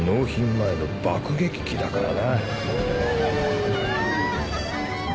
前の爆撃機だからな。